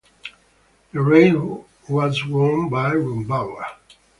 The race was won by Rombauer.